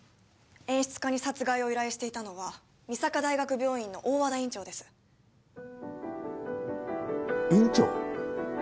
演出家に殺害を依頼していたのは御坂大学病院の大和田院長です院長！？